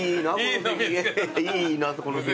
いいなこの席。